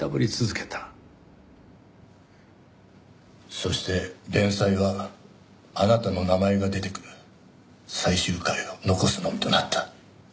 そして連載はあなたの名前が出てくる最終回を残すのみとなった。